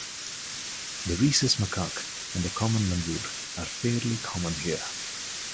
The rhesus macaque and the common langur are fairly common here.